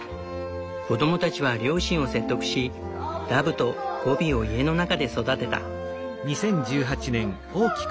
子供たちは両親を説得しダブとゴビを家の中で育てた。